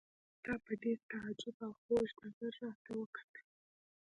تا په ډېر تعجب او خوږ نظر راته وکتل.